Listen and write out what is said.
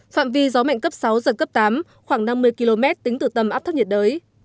phạm vi gió mạnh cấp sáu giật cấp tám khoảng năm mươi km tính từ tâm áp thấp nhiệt đới